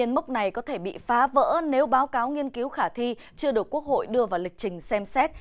mốc này có thể bị phá vỡ nếu báo cáo nghiên cứu khả thi chưa được quốc hội đưa vào lịch trình xem xét